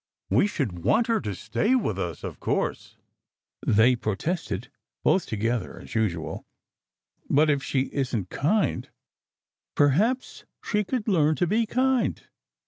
"We should want her to stay with us, of course!" they protested, both together, as usual. "But, if she isn t kind " "Perhaps she could learn to be kind!